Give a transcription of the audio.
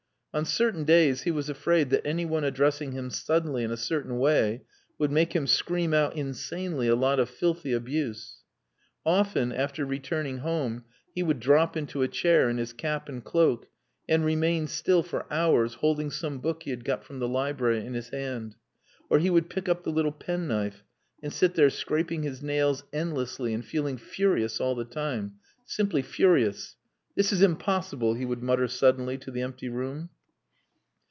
On certain days he was afraid that anyone addressing him suddenly in a certain way would make him scream out insanely a lot of filthy abuse. Often, after returning home, he would drop into a chair in his cap and cloak and remain still for hours holding some book he had got from the library in his hand; or he would pick up the little penknife and sit there scraping his nails endlessly and feeling furious all the time simply furious. "This is impossible," he would mutter suddenly to the empty room.